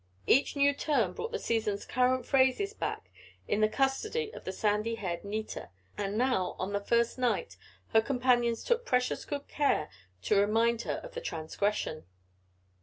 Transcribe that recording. Each new term brought the season's current phrases back in the custody of the sandy haired Nita and now, on the first night, her companions took precious good care to remind her of the transgression.